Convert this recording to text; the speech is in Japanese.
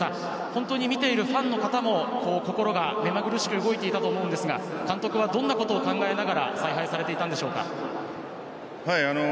本当に見ているファンの方も心が目まぐるしく動いていたと思いますが監督はどんなことを考えながら采配されていたんでしょうか。